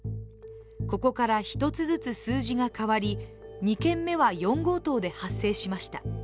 ここから一つずつ数字が変わり２件目は４号棟で発生しました。